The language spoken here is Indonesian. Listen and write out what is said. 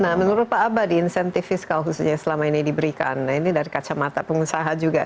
nah menurut pak abadi insentif fiskal khususnya yang selama ini diberikan ini dari kacamata pengusaha juga